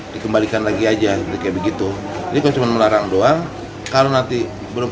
dikembalikan lagi aja kayak begitu ini kok cuma melarang doang kalau nanti belum